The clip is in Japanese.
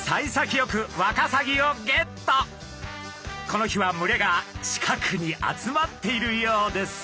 この日は群れが近くに集まっているようです。